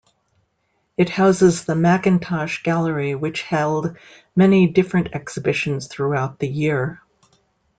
It houses the Mackintosh gallery which held many different exhibitions throughout the year.